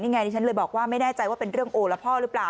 นี่ไงดิฉันเลยบอกว่าไม่แน่ใจว่าเป็นเรื่องโอละพ่อหรือเปล่า